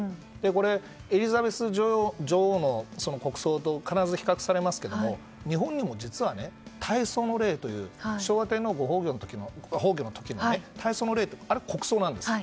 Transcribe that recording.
これ、エリザベス女王の国葬と必ず比較されますけれども日本にも実は、大喪の礼という昭和天皇崩御の時の大喪の礼って国葬なんです。